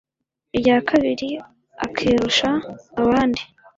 irya kabiri akirusha abandi